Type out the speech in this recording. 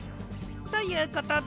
ということで。